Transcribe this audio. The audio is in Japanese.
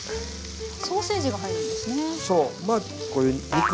ソーセージが入るんですね。